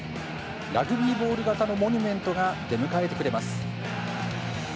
ラグビーボール型のモニュメントが出迎えてくれます。